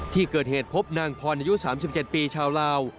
ที่เกิดเหตุพบนางพรอายุ๓๗ปีชาวลาว